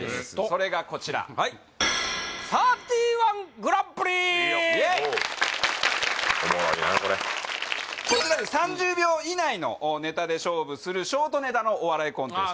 それがこちらおっおっおもろいなこれ３０秒以内のネタで勝負するショートネタのお笑いコンテストですね